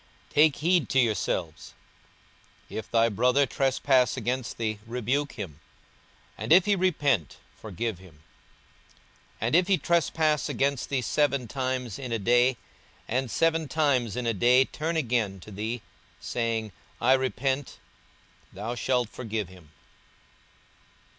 42:017:003 Take heed to yourselves: If thy brother trespass against thee, rebuke him; and if he repent, forgive him. 42:017:004 And if he trespass against thee seven times in a day, and seven times in a day turn again to thee, saying, I repent; thou shalt forgive him.